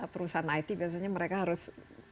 perusahaan it biasanya mereka harus